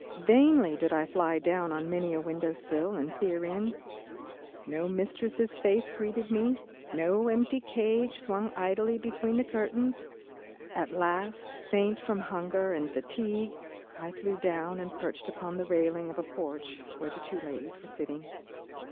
Vainly did I fly down on many a window sill and peer in. No mistress' face greeted me, no empty cage swung idly between the curtains. At length, faint from hunger and fatigue, I flew down and perched upon the railing of a porch where two ladies were sitting.